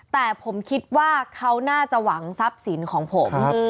แต่ผมคิดว่าเขาน่าจะหวังทรัพย์สินของผม